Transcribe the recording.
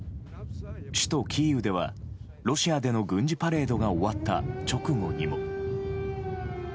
首都キーウではロシアでの軍事パレードが終わった直後にも。